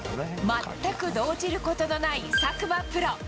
全く動じることのない佐久間プロ。